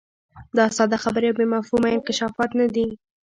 دا ساده خبرې او بې مفهومه انکشافات نه دي.